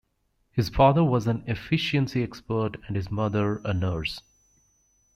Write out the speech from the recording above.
His father was an efficiency expert and his mother a nurse.